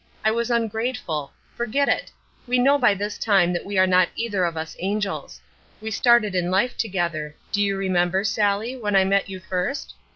I was ungrateful. Forget it. We know by this time that we are not either of us angels. We started in life together do you remember, Sally, when I met you first?